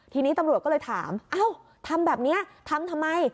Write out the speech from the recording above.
ทีนี้ตำรวจก็เลยถามเอ้าทำแบบนี้ทำทำไม